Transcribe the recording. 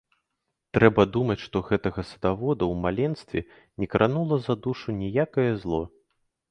Трэба думаць, што гэтага садавода ў маленстве не кранула за душу ніякае зло.